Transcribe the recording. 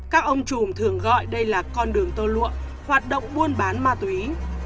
các ông trùm thường gọi đây là con đường tô lụa hoạt động buôn bán ma túy